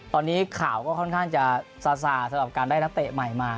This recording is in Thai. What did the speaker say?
ตอนนี้ข่าวก็ค่อนข้างจะซาซาสำหรับการได้นักเตะใหม่มา